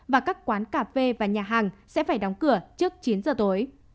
và các quán cà phê và nhà hàng sẽ phải đóng cửa trước chín giờ tối